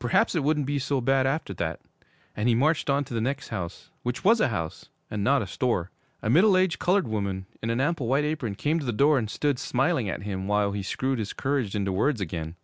Perhaps it wouldn't be so bad after that. And he marched on to the next house, which was a house and not a store. A middle aged colored woman, in an ample white apron, came to the door and stood smiling at him while he screwed his courage into words again.